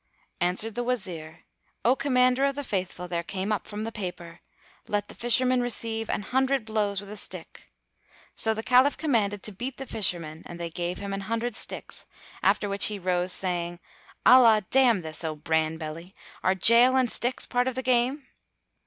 Answered the Wazir, "O Commander of the Faithful, there came up from the paper, 'Let the Fisherman receive an hundred blows with a stick.'" So the Caliph commanded to beat the Fisherman and they gave him an hundred sticks: after which he rose, saying, "Allah damn this, O Bran belly! Are jail and sticks part of the game?"